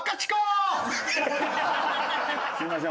すいません。